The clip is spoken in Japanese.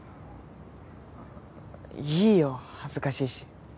いいよ恥ずかしいし。